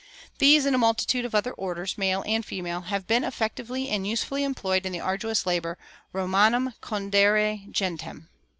These and a multitude of other orders, male and female, have been effectively and usefully employed in the arduous labor Romanam condere gentem.